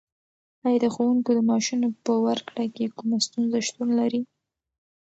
ایا د ښوونکو د معاشونو په ورکړه کې کومه ستونزه شتون لري؟